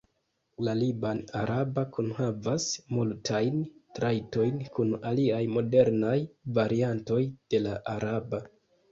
La liban-araba kunhavas multajn trajtojn kun aliaj modernaj variantoj de la araba.